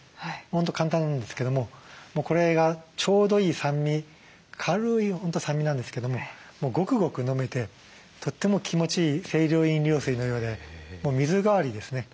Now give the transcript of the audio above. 本当簡単なんですけどもこれがちょうどいい酸味軽い本当酸味なんですけどももうごくごく飲めてとっても気持ちいい清涼飲料水のようで水代わりですね。